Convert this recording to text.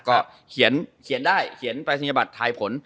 ก็เขียนเขียนได้เขียนไปสัญญาบัติถ่ายผล